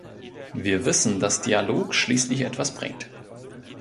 Wir wissen, dass Dialog schließlich etwas bringt.